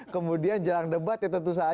kemudian jelang debat ya tentu saja